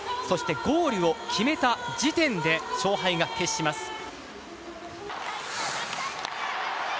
そして、ゴールを決めた時点で勝敗が決します。